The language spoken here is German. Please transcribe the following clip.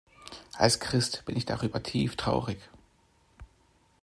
Als Christ bin ich darüber tieftraurig.